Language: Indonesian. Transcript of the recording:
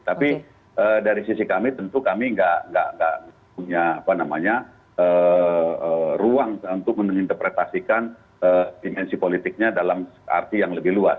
tapi dari sisi kami tentu kami tidak punya ruang untuk menginterpretasikan dimensi politiknya dalam arti yang lebih luas